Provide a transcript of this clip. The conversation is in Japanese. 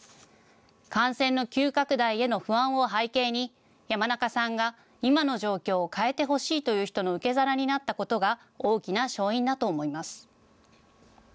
感染の急拡大への不安を背景に山中さんが、今の状況を変えてほしいという人の受け皿になったことが大きな勝因だと思います。